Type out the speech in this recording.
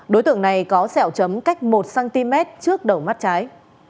đối tượng này có sẹo chấm cách một cm trước đầu mắt trái